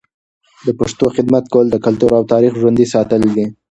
د پښتو خدمت کول د کلتور او تاریخ ژوندي ساتل دي.